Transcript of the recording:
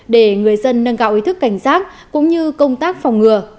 để người dân nâng cao ý thức cảnh giác cũng như công tác phòng ngừa